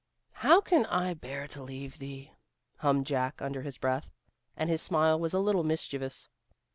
"'How can I bear to leave thee,'" hummed Jack under his breath, and his smile was a little mischievous.